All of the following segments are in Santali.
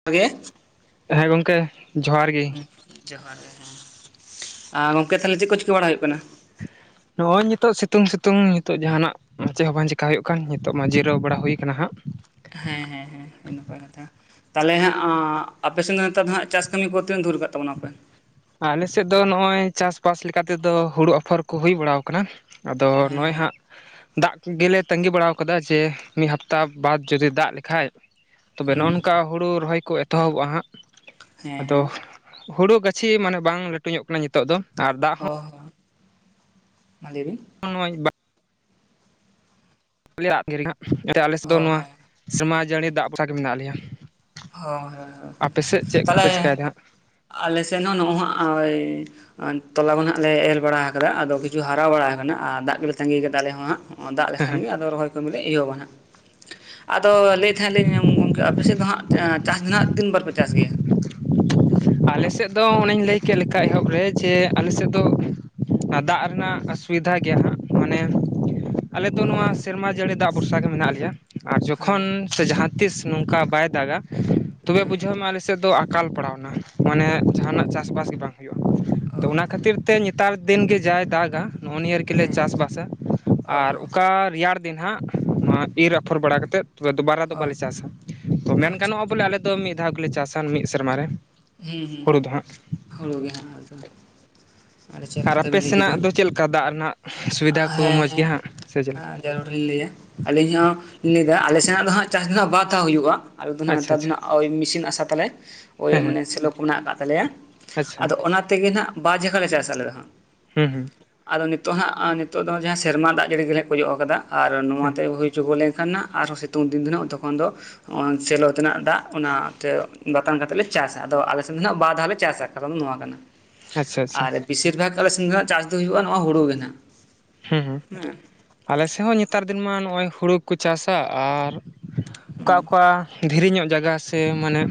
[unintelligible] ᱦᱮᱸ ᱜᱚᱢᱠᱮ ᱡᱚᱦᱟᱨ ᱜᱤ᱾ ᱦᱩᱸ ᱡᱚᱦᱟᱨ ᱜᱮ ᱦᱮᱸ ᱟᱨ ᱜᱚᱝᱠᱮ ᱛᱟᱦᱚᱞᱮ ᱪᱮᱫ ᱠᱚ ᱪᱤᱠᱟᱹ ᱵᱟᱲᱟ ᱦᱩᱭᱩᱜ ᱠᱟᱱᱟ᱾ ᱱᱚᱜᱼᱚᱭ ᱱᱤᱛᱳᱜ ᱥᱤᱛᱩᱝ ᱥᱤᱛᱩᱝ ᱱᱤᱛᱳᱜ ᱡᱟᱦᱟᱱᱟᱜ ᱪᱮᱫ ᱦᱚᱸ ᱵᱟᱝ ᱪᱤᱠᱠᱟ ᱦᱩᱭᱩᱜ ᱠᱟᱱ ᱱᱤᱛᱚᱜ ᱢᱟ ᱡᱤᱨᱟᱹᱣ ᱵᱟᱲᱟ ᱦᱩᱭ ᱠᱟᱱᱟ ᱦᱟᱸᱜ ᱦᱮᱸ ᱦᱮᱸ ᱦᱮᱸ [unintelligible] ᱠᱟᱛᱷᱟ ᱛᱟᱦᱚᱞᱮ ᱦᱟᱸᱜ ᱟᱯᱮᱥᱮᱱ ᱫᱚ ᱱᱮᱛᱚᱜ ᱫᱚ ᱦᱟᱸᱜ ᱪᱟᱥ ᱠᱟᱹᱢᱤ ᱠᱚ ᱛᱤᱱᱟᱹ ᱫᱷᱩᱨ ᱠᱟᱜ ᱛᱟᱵᱚᱱᱟᱯᱮ ᱟᱞᱮᱥᱮᱫ ᱫᱚ ᱱᱚᱜᱼᱚᱭ ᱪᱟᱥᱵᱟᱥ ᱞᱮᱠᱟᱛᱮᱫᱚ ᱦᱩᱲᱩ ᱟᱯᱷᱚᱨ ᱠᱚ ᱦᱩᱭ ᱵᱟᱲᱟᱣ ᱟᱠᱟᱱᱟ ᱟᱫᱚ ᱦᱮᱸ ᱱᱚᱜᱼᱚᱭ ᱦᱮᱸ ᱦᱟᱸᱜ ᱫᱟᱜ ᱠᱚᱜᱮᱞᱮ ᱛᱺᱜᱤ ᱵᱟᱲᱟ ᱭᱟᱠᱟᱫᱟ ᱡᱮ ᱢᱤᱫ ᱦᱟᱯᱛᱟ ᱵᱟᱫᱽ ᱡᱩᱫᱤ ᱫᱟᱜ ᱞᱮᱠᱷᱟᱡ ᱛᱚᱵᱮ ᱱᱚᱜᱼ ᱦᱩᱸ ᱱᱚᱝᱠᱟ ᱦᱩᱲᱩ ᱨᱚᱦᱚᱭ ᱠᱚ ᱮᱛᱚᱦᱚᱵᱚᱜᱼᱟ ᱦᱟᱸᱜ ᱦᱮᱸ ᱟᱫᱚ ᱦᱮᱸ ᱦᱩᱲᱩ ᱜᱟᱹᱪᱷᱤ ᱢᱟᱱᱮ ᱵᱟᱝ ᱞᱟᱹᱴᱩ ᱧᱚᱜ ᱠᱟᱱᱟ ᱱᱤᱛᱚᱜ ᱫᱚ ᱟᱨ ᱫᱟᱜ ᱚ ᱦᱚᱸ ᱢᱟ ᱞᱟᱹᱭ ᱵᱤᱱ [unintelligible] [unintelligible] ᱟᱞᱮ ᱥᱮᱫ ᱫᱚ ᱚ ᱱᱚᱣᱟ ᱦᱮᱸ ᱥᱮᱨᱢᱟ ᱡᱟᱹᱲᱤ ᱫᱟᱜ ᱵᱚᱨᱥᱟ ᱜᱮ ᱢᱮᱱᱟᱜ ᱞᱮᱭᱟ ᱦᱳᱭ ᱦᱳᱭ ᱦᱳᱭ ᱟᱯᱮ ᱥᱮᱫ ᱪᱮᱫ ᱠᱚᱯᱮ ᱛᱟᱦᱚᱞᱮ ᱪᱤᱠᱟᱭᱮᱫᱟ ᱟᱞᱮᱥᱮᱫ ᱦᱚᱸ ᱱᱚᱜᱳᱭ ᱦᱟᱸᱜ ᱚᱭ ᱛᱚᱞᱟ ᱠᱚ ᱦᱟᱸᱜ ᱞᱮ ᱮᱨ ᱵᱟᱲᱟ ᱟᱠᱟᱫᱟ ᱟᱫᱚ ᱠᱤᱪᱷᱩ ᱦᱟᱨᱟᱣ ᱵᱟᱲᱟ ᱟᱠᱟᱱᱟ ᱟᱨ ᱫᱟᱜ ᱜᱮᱞᱮ ᱛᱟᱸᱜᱤ ᱭᱟᱠᱟᱫᱟ ᱟᱞᱮ ᱦᱚᱸ ᱦᱟᱸᱜ ᱫᱟᱜ ᱞᱮᱠᱷᱟᱱ ᱜᱮ ᱟᱫᱚ ᱨᱚᱦᱚᱭ ᱠᱟᱹᱢᱤᱞᱮ ᱮᱦᱚᱵᱟᱹᱦᱚᱵᱟ ᱦᱟᱸᱜ ᱟᱫᱚ ᱞᱟᱹᱭ ᱮᱫ ᱛᱟᱦᱮᱸᱫ ᱞᱤᱧ ᱜᱚᱢᱠᱮ ᱟᱯᱮᱥᱮᱫ ᱫᱚ ᱦᱟᱸᱜ ᱪᱟᱥ ᱫᱚᱦᱟᱸᱜ ᱛᱤᱱᱵᱟᱨ ᱯᱮ ᱪᱟᱥ ᱜᱮᱭᱟ ᱟᱞᱮ ᱥᱮᱫ ᱫᱚ ᱚᱱᱮᱧ ᱞᱟᱹᱭ ᱠᱮᱫ ᱞᱮᱠᱟ ᱮᱦᱚᱵ ᱨᱮ ᱡᱮ ᱟᱞᱮ ᱥᱮᱫ ᱫᱚ ᱫᱟᱜ ᱨᱮᱱᱟᱜ ᱚᱥᱩᱵᱤᱫᱷᱟ ᱜᱮᱭᱟ ᱦᱟᱸᱜ ᱢᱟᱱᱮ ᱟᱞᱮ ᱫᱚ ᱱᱚᱣᱟ ᱦᱮᱸ ᱥᱮᱨᱢᱟ ᱡᱟᱹᱲᱤ ᱫᱟᱜ ᱵᱷᱚᱨᱥᱟ ᱜᱮ ᱢᱮᱱᱟᱜ ᱞᱮᱭᱟ ᱟᱨ ᱦᱮᱸ ᱡᱚᱠᱷᱚᱱ ᱥᱮ ᱡᱟᱦᱟᱸ ᱛᱤᱥ ᱱᱚᱝᱠᱟ ᱵᱟᱭ ᱫᱟᱜᱟ ᱛᱚᱵᱮ ᱦᱮᱸ ᱵᱩᱡᱷᱟᱹᱣ ᱢᱮ ᱟᱞᱮᱥᱮᱫ ᱫᱚ ᱟᱠᱟᱞ ᱯᱟᱲᱟᱣ ᱮᱱᱟ ᱢᱟᱱᱮ ᱡᱟᱦᱟᱱᱟᱜ ᱪᱟᱥᱵᱟᱥ ᱜᱮ ᱵᱟᱝ ᱦᱩᱭᱩᱜᱼᱟ ᱛᱚ ᱚᱱᱟ ᱠᱷᱟᱹᱛᱤᱨ ᱛᱮ ᱱᱮᱛᱟᱨ ᱫᱤᱱ ᱜᱮ ᱡᱟᱭ ᱫᱟᱜᱟ ᱱᱚᱜᱼᱚ ᱱᱤᱭᱟᱹ ᱜᱮᱞᱮ ᱦᱮᱸ ᱪᱟᱥᱵᱟᱥᱟ ᱚ ᱟᱨ ᱚᱠᱟ ᱨᱮᱭᱟᱲ ᱫᱤᱱ ᱦᱟᱸᱜ ᱱᱚᱣᱟ ᱤᱨᱻ ᱟᱯᱷᱚᱨ ᱵᱟᱲᱟ ᱠᱟᱛᱮᱫ ᱛᱚᱵᱮ ᱵᱟᱨᱟ ᱫᱚ ᱦᱳᱭ ᱵᱟᱞᱮ ᱪᱟᱥᱟ ᱛᱚ ᱢᱮᱱ ᱟᱪᱪᱷᱟ ᱜᱟᱱᱚᱜᱼᱟ ᱵᱚᱞᱮ ᱟᱞᱮ ᱫᱚ ᱢᱤᱫ ᱫᱷᱟᱣ ᱜᱮᱞᱮ ᱪᱟᱥᱟ ᱢᱤᱫ ᱥᱮᱨᱢᱟ ᱨᱮ ᱦᱩᱸ ᱦᱩᱸ ᱦᱩᱲᱩ ᱫᱚ ᱦᱟᱸᱜ ᱦᱩᱲᱩ ᱜᱮ ᱦᱟᱸᱜ ᱟᱫᱚ ᱟᱹᱰᱤ ᱪᱮᱦᱨᱟ ᱠᱟᱛᱷᱟ ᱵᱮᱱ ᱞᱟᱹᱭ ᱠᱮᱫᱟ ᱚᱱᱠᱟ ᱫᱟᱜ ᱨᱮᱱᱟᱜ ᱥᱩᱵᱤᱫᱟ ᱠᱚ ᱦᱮᱸ ᱢᱚᱡᱽ ᱜᱮ ᱦᱜ ᱥᱮ ᱪᱮᱫᱠᱟ ᱦᱮᱸ ᱡᱟᱹᱨᱩᱲ ᱞᱤᱧ ᱞᱟᱹᱭᱟ ᱟᱹᱞᱤᱧ ᱦᱚᱸᱧ ᱞᱟᱹᱭᱮᱫᱟ ᱟᱞᱮ ᱥᱮᱱᱟᱜ ᱫᱚ ᱦᱟᱸᱜ ᱪᱟᱥ ᱫᱚᱜ ᱵᱟᱛᱷᱟᱣ ᱦᱩᱭᱩᱜᱼᱟ ᱟ ᱫᱚ ᱦᱟᱸᱜ ᱟᱪᱪᱷᱟ ᱱᱮᱛᱟᱨ ᱫᱚ ᱟᱪᱪᱷᱟ ᱦᱟᱸᱜ ᱳᱭ ᱢᱮᱥᱤᱱ ᱟᱥᱟ ᱛᱟᱞᱮ ᱳᱭ ᱦᱮᱸ ᱦᱮᱸ ᱢᱟᱱᱮ ᱥᱮᱞᱚ ᱠ‍ᱚ ᱢᱮᱱᱟᱜ ᱟᱠᱟᱫ ᱛᱟᱞᱮᱭᱟ ᱟᱪᱪᱷᱟ ᱟᱫᱚ ᱚᱱᱟ ᱛᱮᱜᱮ ᱦᱟᱸᱜ ᱵᱟᱨ ᱡᱟᱭᱜᱟ ᱞᱮ ᱪᱟᱥ ᱟᱞᱮ ᱫᱚ ᱦᱟᱸᱜ ᱦᱮᱸ ᱦᱮᱸ ᱟᱫᱚ ᱱᱤᱛᱚᱜ ᱦᱟᱸᱜ ᱱᱤᱛᱚᱜ ᱫᱚ ᱡᱟᱦᱟᱸ ᱥᱮᱨᱢᱟ ᱫᱟᱜ ᱡᱟᱹᱲᱤ ᱜᱮᱞᱮ ᱜᱚᱡᱚᱜ ᱟᱠᱟᱫᱟ ᱟᱨ ᱦᱮᱸ ᱱᱚᱣᱟᱛᱮ ᱦᱩᱭᱪᱚᱜᱚ ᱞᱮᱱᱠᱷᱟᱱ ᱟᱨᱦᱚᱸ ᱥᱤᱛᱩᱝ ᱫᱤᱱ ᱫᱚ ᱦᱟᱸᱜ ᱛᱚᱠᱷᱚᱱ ᱫᱚ ᱥᱮᱞᱚ ᱛᱮᱱᱟᱜ ᱫᱟᱜ ᱚᱱᱟᱛᱮ ᱵᱟᱛᱟᱱ ᱠᱟᱛᱮᱫᱞ ᱞᱮ ᱪᱟᱥᱟ ᱟᱫᱚ ᱟᱞᱮ ᱥᱮᱱ ᱫᱚᱱᱟᱜ ᱵᱟᱨ ᱫᱷᱟᱣ ᱞᱮ ᱪᱟᱥᱟ ᱠᱟᱨᱚᱱ ᱱᱚᱣᱟ ᱠᱟᱱᱟ ᱟᱪᱪᱷᱟ ᱟᱪᱪᱷᱟ ᱟᱨ ᱵᱮᱥᱤᱨ ᱵᱷᱟᱜᱽ ᱟᱞᱮ ᱥᱮᱱ ᱫᱚᱦᱟᱸᱜ ᱪᱟᱥ ᱫᱚ ᱦᱩᱭᱩᱜᱼᱟ ᱱᱚᱭᱟ ᱦᱩᱲᱩ ᱜᱮ ᱱᱷᱟᱸᱜ ᱦᱮᱸ ᱦᱮᱸ ᱦᱮᱸ ᱟᱞᱮ ᱥᱮᱫ ᱦᱚᱸ ᱱᱮᱛᱟᱨ ᱫᱤᱱ ᱢᱟ ᱱᱚᱜᱼᱚᱭ ᱦᱩᱲᱩ ᱜᱮᱠᱚ ᱪᱟᱥᱟ ᱟᱨ ᱚᱠᱟ ᱦᱩᱸ ᱚᱠᱟ ᱫᱷᱤᱨᱤ ᱧᱚᱜ ᱡᱟᱜᱟ ᱥᱮ ᱢᱟᱱᱮ